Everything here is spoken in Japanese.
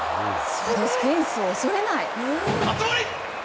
フェンスを恐れない。